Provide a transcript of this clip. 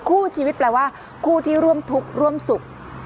คู่ชีวิตแปลว่าคู่ที่ร่วมทุกข์ร่วมสุข